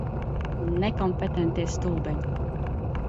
Nekompetentie stulbeņi.